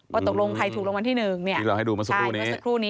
ว่าตกลงใครถูกรวมวันที่๑